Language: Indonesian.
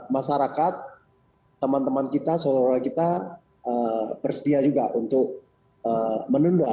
masyarakat teman teman kita saudara kita bersedia juga untuk menunda